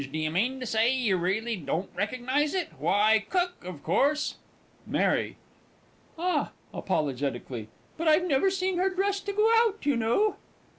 Do you mean to say you really don't recognise it? Why, Cook, of course! MARY. Ah! (apologetically) but I've never seen her dressed to go out, you know.